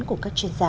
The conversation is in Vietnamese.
của các chuyên gia